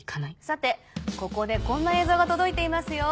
さてここでこんな映像が届いていますよ。